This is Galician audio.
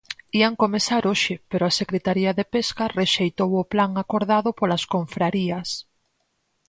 Ían comezar hoxe, pero a Secretaría de Pesca rexeitou o plan acordado polas confrarías.